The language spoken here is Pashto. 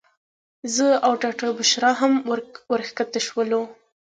زه او ډاکټره بشرا هم ورښکته شولو.